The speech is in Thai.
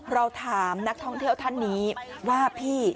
เราถามนักท่องเที่ยวท่านนี้ว่าพี่